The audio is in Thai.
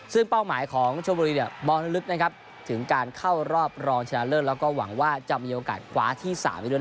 ซึ่งเป้าหมายของชมรีกมองลึกถึงการเข้ารอบรองทางชาเลยกันแล้วก็หวังว่าจะมีโอกาศขวาที่